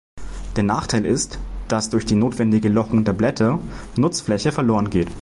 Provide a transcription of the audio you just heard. Der Nachteil ist, dass durch die notwendige Lochung der Blätter Nutzfläche verloren geht.